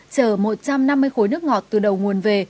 chở một trăm năm mươi khối nước ngọt từ đầu nguồn về